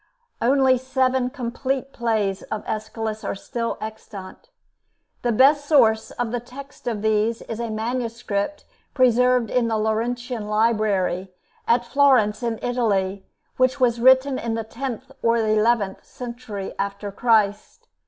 Only seven complete plays of Aeschylus are still extant. The best present source of the text of these is a manuscript preserved in the Laurentian Library, at Florence in Italy, which was written in the tenth or eleventh century after Christ.